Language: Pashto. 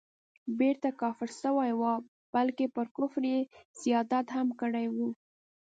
بیرته کافر سوی وو بلکه پر کفر یې زیادت هم کړی وو.